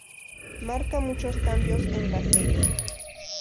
Marca muchos cambios en la serie.